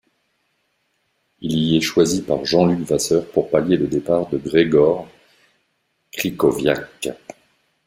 Il y est choisi par Jean-Luc Vasseur pour palier le départ de Grzegorz Krychowiak.